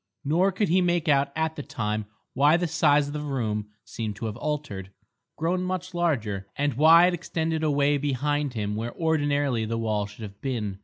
Nor could he make out at the time why the size of the room seemed to have altered, grown much larger, and why it extended away behind him where ordinarily the wall should have been.